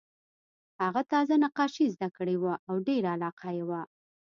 هغه تازه نقاشي زده کړې وه او ډېره علاقه یې وه